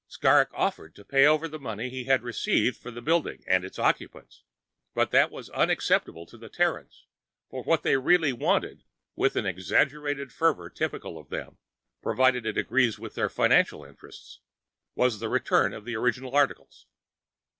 Skrrgck offered to pay over the money he had received for the building and its occupants, but that was unacceptable to the Terrans, for what they really wanted, with that exaggerated fervor typical of them, provided it agrees with their financial interests, was the return of the original articles.